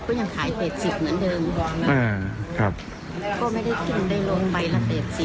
ใบละ๘๐ก็ขาย๘๐เหมือนเดิม